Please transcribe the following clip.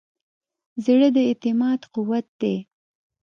زړه د اعتماد قوت دی.